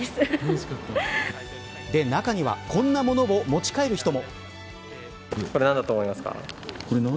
中にはこんなものを持ち帰る人も。